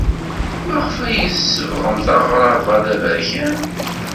Maɣef ay tsebɣemt aɣrab-a d aberkan?